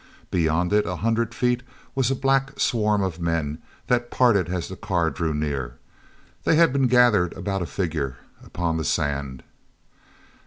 Beyond it a hundred feet was a black swarm of men that parted as the car drew near. They had been gathered about a figure upon the sand.